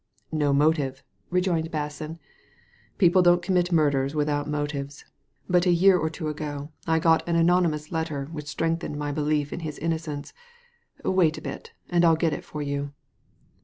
" No motive," rejoined Basson. * People don't com mit murders without motives. But a year or two ago I got an anonymous letter, which strengthened my belief in his innocence. Wait a bit, and Til get it for you."